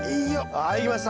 あいきました。